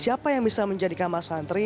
siapa yang bisa menjadi kamar santri